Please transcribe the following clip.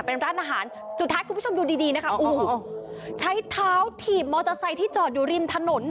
เป็นร้านอาหารสุดท้ายคุณผู้ชมดูดีดีนะคะโอ้โหใช้เท้าถีบมอเตอร์ไซค์ที่จอดอยู่ริมถนน